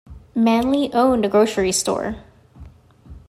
Manly owned a grocery store.